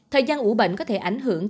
thời gian ủ bệnh có thể ảnh hưởng